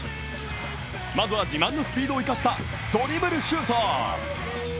まずは、自慢のスピードを生かしたドリブルシュート。